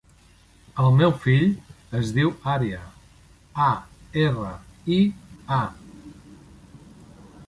El meu fill es diu Aria: a, erra, i, a.